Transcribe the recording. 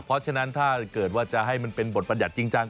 เพราะฉะนั้นถ้าเกิดว่าจะให้มันเป็นบทบัญญัติจริงจัง